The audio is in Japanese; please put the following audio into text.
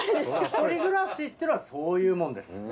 一人暮らしっていうのはそういうもんです。